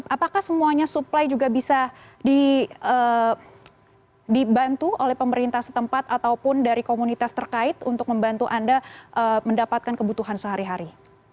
apakah semuanya supply juga bisa dibantu oleh pemerintah setempat ataupun dari komunitas terkait untuk membantu anda mendapatkan kebutuhan sehari hari